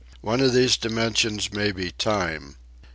One of these dimensions may be time.